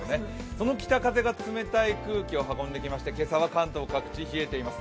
その北風が冷たい空気を運んできまして今朝は関東各地、冷えています。